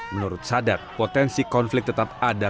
menurut sadat potensi konflik tetap ada